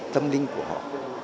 tâm linh của họ